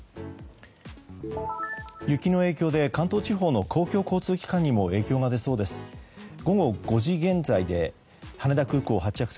雪の影響で関東地方の公共交通機関にも影響が出そうです。